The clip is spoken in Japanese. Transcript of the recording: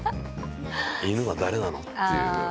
「犬が誰なの？」っていう。